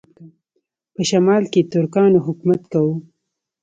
په شمال کې ترکانو حکومت کاوه.